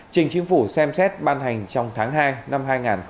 trình chính phủ xem xét ban hành trong tháng hai năm hai nghìn hai mươi